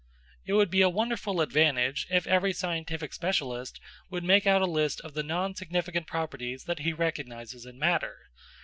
It would be a wonderful advantage if every scientific specialist would make out a list of the non significant properties that he recognises in matter.